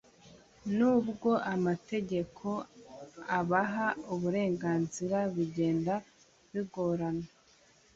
nubwo amategeko abaha uburenganzira bigenda bigorana